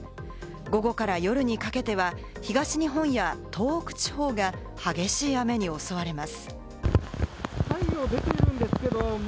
午後から夜にかけては東日本や東北地方が激しい雨に襲われます。